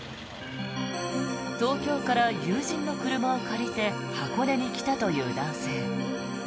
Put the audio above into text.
東京から友人の車を借りて箱根に来たという男性。